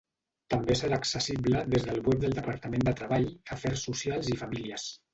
També serà accessible des del web del Departament de Treball, Afers Socials i Famílies.